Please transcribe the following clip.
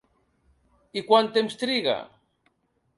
I quan temps triga?